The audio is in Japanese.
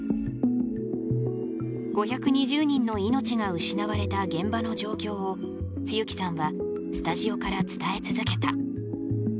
５２０人の命が失われた現場の状況を露木さんはスタジオから伝え続けた。